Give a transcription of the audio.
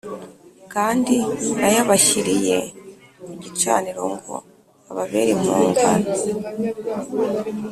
Kandi nayabashyiriye ku gicaniro ngo ababere impongano